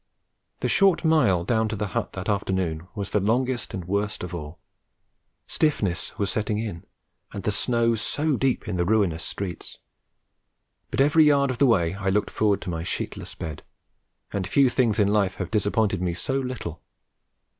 The short mile down to the hut that afternoon was the longest and worst of all. Stiffness was setting in, and the snow so deep in the ruinous streets; but every yard of the way I looked forward to my sheetless bed; and few things in life have disappointed me so little.